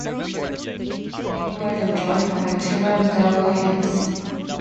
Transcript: They were then joined by tenor Delroy Hinds.